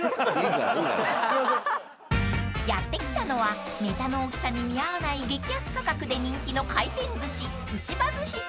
［やって来たのはネタの大きさに見合わない激安価格で人気の回転寿司］